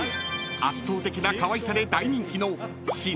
［圧倒的なかわいさで大人気のシナモロール］